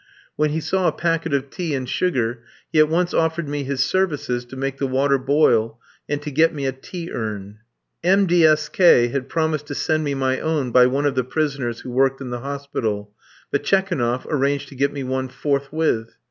When he saw a packet of tea and sugar, he at once offered me his services to make the water boil and to get me a tea urn. M. D. S. K had promised to send me my own by one of the prisoners who worked in the hospital, but Tchekounoff arranged to get me one forthwith.